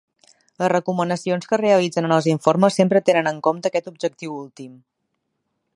Les recomanacions que es realitzen en els informes sempre tenen en compte aquest objectiu últim.